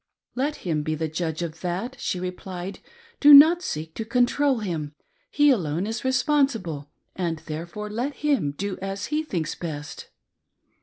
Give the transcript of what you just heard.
" Let him be the judge of that," she replied ;" do not seek to control him ; he alone is responsible, and therefore let him do as he thinks best."